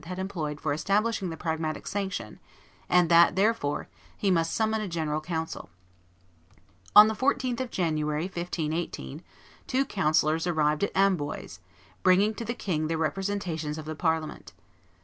had employed for establishing the Pragmatic Sanction, and that, therefore, he must summon a general council. On the 14th of January, 1518, two councillors arrived at Amboise, bringing to the king the representations of the Parliament.